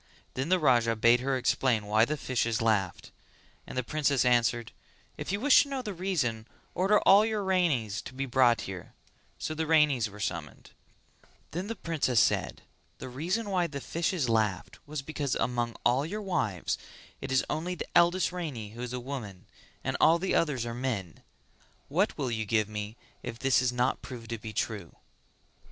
Then the Raja bade her explain why the fishes laughed, and the princess answered "If you wish to know the reason order all your Ranis to be brought here;" so the Ranis were summoned; then the princess said "The reason why the fishes laughed was because among all your wives it is only the eldest Rani who is a woman and all the others are men. What will you give me if this is not proved to be true?"